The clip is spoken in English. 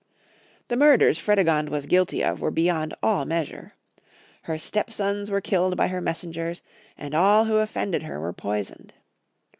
The miu'ders Fredegond was guilty of were beyond all measure. Her step sons were killed by her messengers, and all who offended her were poisoned.